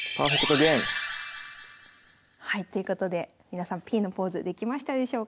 はいということで皆さんＰのポーズできましたでしょうか？